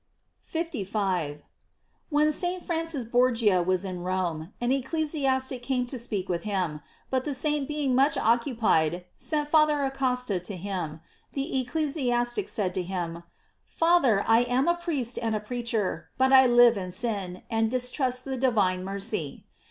* 55. — When St. Francis Borgia was in Rome, an ecclesiastic came to speak with him; but the saint being much occupied, sent Father Acosta to him. The ecclesiastic said to him: "Father, I am a priest and a preacher, but I live in sin, and distrust the divine mercy.